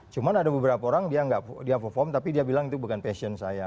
cuma ada beberapa orang dia perform tapi dia bilang itu bukan passion saya